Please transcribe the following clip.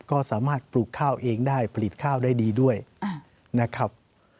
ก็สามารถปลูกข้าวเองได้ผลิตข้าวได้ดีด้วยนะครับ